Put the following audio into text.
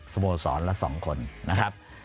สโมสรและสองคนนะครับ